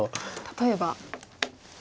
例えば。